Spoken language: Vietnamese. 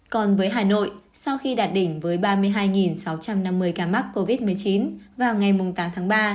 còn với hà nội sau khi đạt đỉnh với ba mươi hai sáu trăm năm mươi ca mắc covid một mươi chín vào ngày tám tháng ba